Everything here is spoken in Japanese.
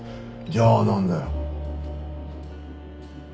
じゃあなんだよ？